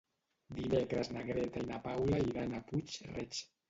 Dimecres na Greta i na Paula iran a Puig-reig.